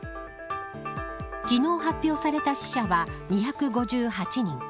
昨日発表された死者は２５８人。